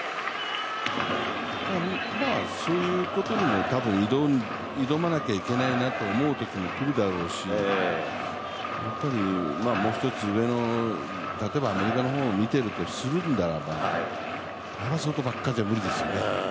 そういうことにも挑まなきゃいけないなと思うときもくるだろうし、もう一つ上の例えば、アメリカの方を見てるんだとしたら外ばっかじゃ無理ですよね。